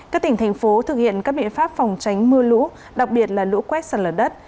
các tỉnh thành phố thực hiện các biện pháp phòng tránh mưa lũ đặc biệt là lũ quét sạt lở đất